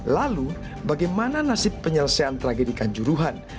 lalu bagaimana nasib penyelesaian tragedi kanjuruhan